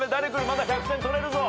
まだ１００点取れるぞ。